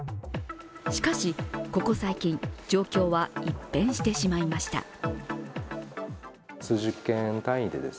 しかし、ここ最近、状況は一変してしまいました。